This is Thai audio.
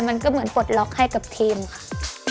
มันก็เหมือนปลดล็อกให้กับทีมค่ะ